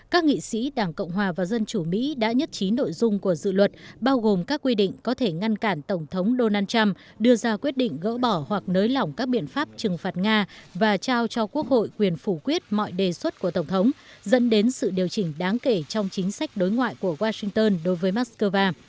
các nghị sĩ đảng cộng hòa và dân chủ mỹ đã nhất trí nội dung của dự luật bao gồm các quy định có thể ngăn cản tổng thống donald trump đưa ra quyết định gỡ bỏ hoặc nới lỏng các biện pháp trừng phạt nga và trao cho quốc hội quyền phủ quyết mọi đề xuất của tổng thống dẫn đến sự điều chỉnh đáng kể trong chính sách đối ngoại của washington đối với moscow